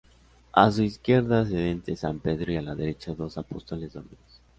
A su izquierda, sedente, San Pedro y a la derecha dos apóstoles dormidos.